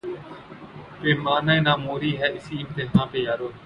پیمان ء ناموری ہے، اسی امتحاں پہ یارو